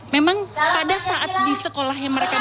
memang pada saat di sekolah yang mereka miliki